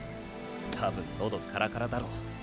多分喉カラカラだろう。